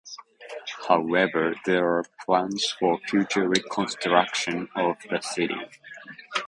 However, there are plans for future reconstruction of the site.